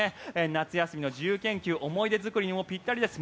夏休みの自由研究思い出作りにもぴったりです。